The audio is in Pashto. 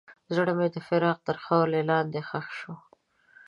زړه مې د فراق تر خاورو لاندې ښخ شو.